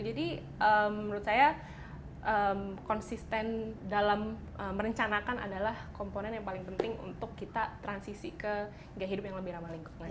jadi menurut saya konsisten dalam merencanakan adalah komponen yang paling penting untuk kita transisi ke gaya hidup yang lebih ramah lingkungan